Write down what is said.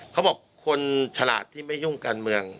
เขาบอกคนฉลาดที่ไม่ยุ่งการเมือง